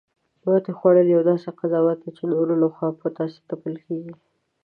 ماتې خوړل یو داسې قضاوت دی، چی د نورو لخوا په تاسې تپل کیږي